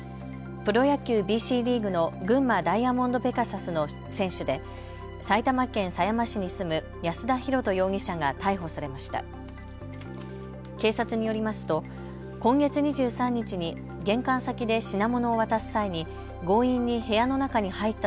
プロ野球、ＢＣリーグの群馬ダイヤモンドペガサスの選手で埼玉県狭山市に住む安田尋登容疑者が逮捕されました。